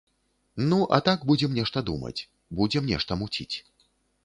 Ну, а так будзем нешта думаць, будзем нешта муціць.